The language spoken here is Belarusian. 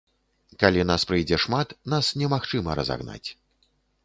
Калі нас прыйдзе шмат, нас немагчыма разагнаць.